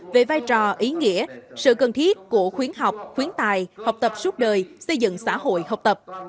về vai trò ý nghĩa sự cần thiết của khuyến học khuyến tài học tập suốt đời xây dựng xã hội học tập